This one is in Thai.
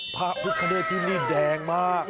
พระพิคเนตที่นี่แดงมาก